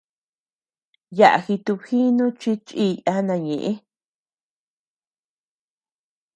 Yaʼa jitubjinu chi chíi yana ñëʼe.